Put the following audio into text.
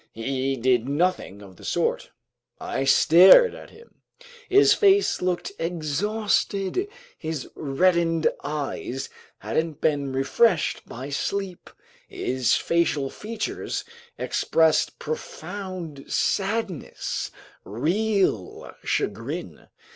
He did nothing of the sort. I stared at him. His face looked exhausted; his reddened eyes hadn't been refreshed by sleep; his facial features expressed profound sadness, real chagrin.